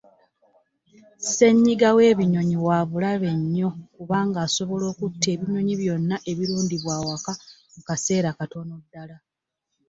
Ssenyiga w’ebinyonyi wa bulabe nnyo kubanga asobola okutta ebinyonyi byonna ebirundibwa awaka mu kaseera akatono ddala.